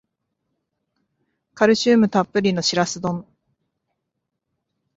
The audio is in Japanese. カルシウムたっぷりのシラス丼